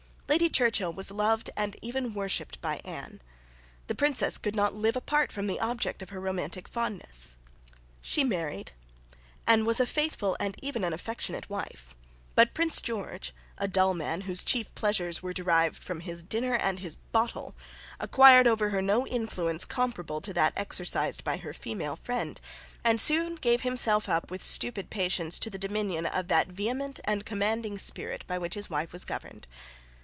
Lady Churchill was loved and even worshipped by Anne. The Princess could not live apart from the object of her romantic fondness. She married, and was a faithful and even an affectionate wife. But Prince George, a dull man whose chief pleasures were derived from his dinner and his bottle, acquired over her no influence comparable to that exercised by her female friend, and soon gave himself up with stupid patience to the dominion of that vehement and commanding spirit by which his wife was governed.